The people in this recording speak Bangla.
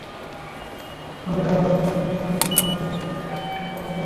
তবে হ্যাঁ, ভারতের দায়িত্বশীল নাগরিক হিসেবে অবশ্যই ভোট দেওয়ার দায়িত্বটি পালন করব।